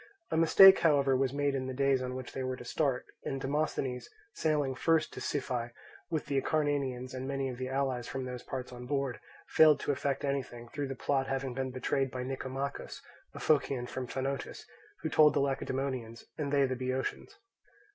A mistake, however, was made in the days on which they were each to start; and Demosthenes, sailing first to Siphae, with the Acarnanians and many of the allies from those parts on board, failed to effect anything, through the plot having been betrayed by Nicomachus, a Phocian from Phanotis, who told the Lacedaemonians, and they the Boeotians.